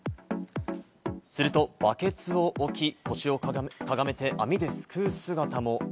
するとバケツを置き、腰をかがめて網で救う姿も。